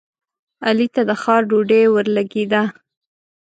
علي ته د ښار ډوډۍ ورلګېده.